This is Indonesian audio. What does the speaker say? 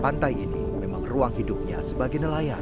pantai ini memang ruang hidupnya sebagai nelayan